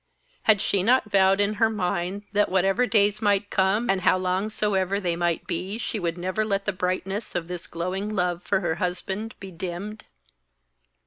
Had she not vowed in her mind that whatever days might come, and how long soever they might be, she would never let the brightness of this glowing love for her husband be dimmed.